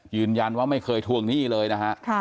ยืนยันว่าไม่เคยทวงหนี้เลยนะฮะ